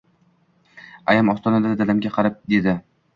Ayam ostonada dadamga qarab dedi